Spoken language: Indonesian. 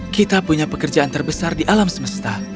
kita punya pekerjaan terbesar di alam semesta